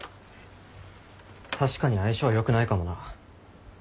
確かに相性は良くないかもな。